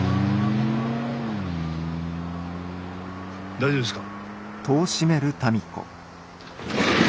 ・大丈夫ですか？